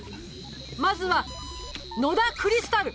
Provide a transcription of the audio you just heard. まずは野田クリスタル！